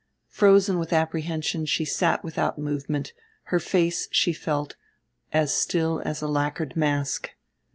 Frozen with apprehension she sat without movement; her face, she felt, as still as a lacquered mask.